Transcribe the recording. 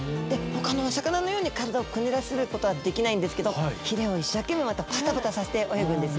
ほかのお魚のように体をくねらせることはできないんですけどヒレを一生懸命ぱたぱたさせて泳ぐんですね。